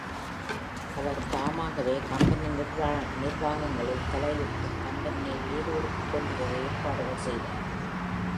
அவர் தாமாகவே கம்பெனி நிர்வாகங்களில் தலையிட்டுக் கம்பெனியை வேலூருக்குக் கொண்டுபோக ஏற்பாடுகள் செய்தார்.